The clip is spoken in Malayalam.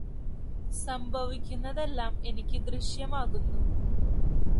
സംഭവിക്കുന്നതെല്ലാം എനിക്ക് ദൃശ്യമാകുന്നു